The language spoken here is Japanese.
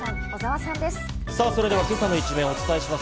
さぁ、それでは今朝の一面をお伝えします。